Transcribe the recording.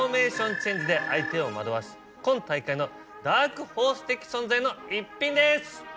チェンジで相手を惑わす今大会のダークホース的存在の一品です。